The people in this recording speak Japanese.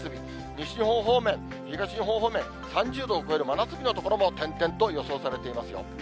西日本方面、東日本方面、３０度を超える真夏日の所も点々と予想されていますよ。